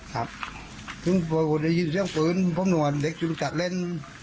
ครับซึ่งก็ได้ยินเสียงฟื้นพร้อมหน่วงเด็กจุดจัดเล่น